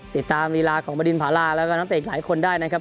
ติดตามลีลาของบริณภาราแล้วก็นักเตะอีกหลายคนได้นะครับ